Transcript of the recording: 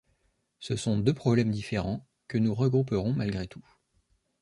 Ce sont deux problèmes différents que nous regrouperons malgré tout.